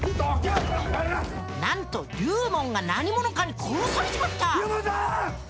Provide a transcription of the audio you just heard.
なんと龍門が何者かに殺されちまった！